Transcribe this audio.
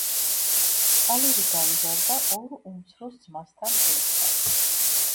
ტალერი გაიზარდა ორ უმცროს ძმასთან ერთად.